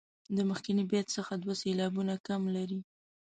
د مخکني بیت څخه دوه سېلابونه کم لري.